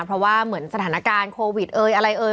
เพราะว่าเหมือนสถานการณ์โควิดเอ่ยอะไรเอ่ย